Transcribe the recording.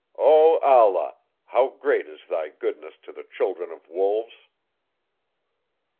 O Allah! how great is thy goodness to the children of wolves!" 99.